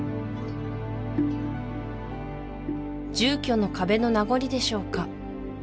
住居の壁の名残でしょうか